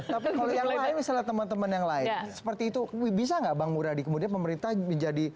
tapi kalau yang lain misalnya teman teman yang lain seperti itu bisa nggak bang muradi kemudian pemerintah menjadi